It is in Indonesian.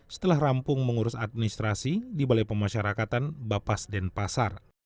setelah rampung mengurus administrasi di balai pemasyarakatan bapas denpasar